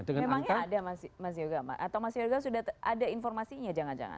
memangnya ada mas yoga atau mas yoga sudah ada informasinya jangan jangan